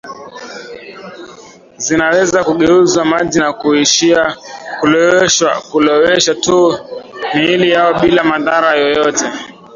zinaweza kugeuzwa maji na kuishia kulowesha tu miili yao bila madhara yoyote